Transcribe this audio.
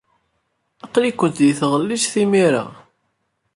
Aql-ikent deg tɣellist imir-a.